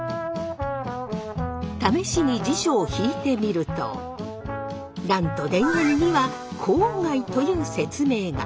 試しに辞書を引いてみるとなんと田園には「郊外」という説明が。